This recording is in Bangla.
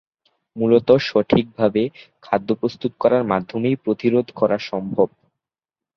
মূলত সঠিকভাবে খাদ্য প্রস্তুত করার মাধ্যমেই প্রতিরোধ করা সম্ভব।